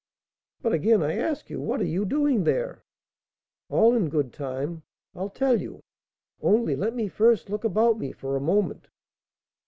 "But again I ask you, what are you doing there?" "All in good time, I'll tell you; only let me first look about me for a moment."